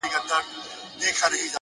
هر منزل له لومړي قدم پیلېږي،